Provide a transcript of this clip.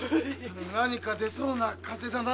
何か出そうな風だなあ。